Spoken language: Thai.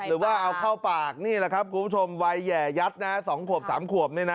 ถือว่าเอาเข้าปากนี่ล่ะครับผมชมวัยแห่ยัดนะครับ๒๓ขวบนี้นะ